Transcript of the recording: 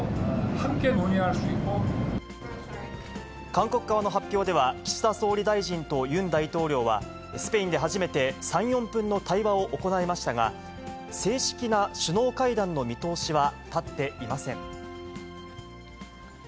韓国側の発表では、岸田総理大臣とユン大統領は、スペインで初めて３、４分の対話を行いましたが、正式な首脳会談の見通しは立っていません。